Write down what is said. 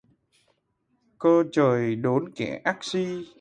Cơ trời đốn kẻ ác si